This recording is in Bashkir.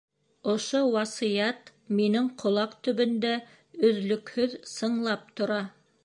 Ошо васыят минең ҡолаҡ төбөндә өҙлөкһөҙ сыңлап тора.